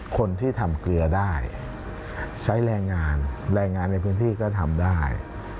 คนที่ทำเกลือได้ใช้แรงงานแรงงานในพื้นที่ก็ทำได้